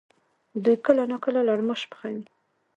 دوی کله ناکله لړماش پخوي؟